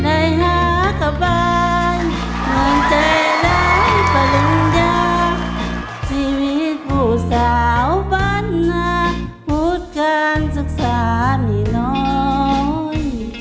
ในหาขบายมีใจแล้วปริญญาชีวิตผู้สาวบรรณาพูดการศึกษามีน้อย